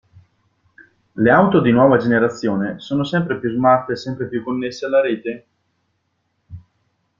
Le auto di nuova generazione sono sempre più smart e sempre più connesse alla rete?